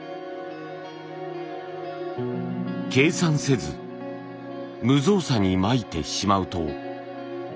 計算せず無造作にまいてしまうと。